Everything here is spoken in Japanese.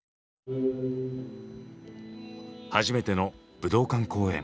初めての武道館公演。